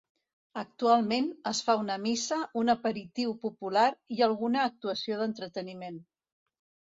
Actualment, es fa una missa, un aperitiu popular i alguna actuació d'entreteniment.